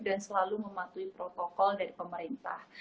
dan selalu mematuhi protokol dari pemerintah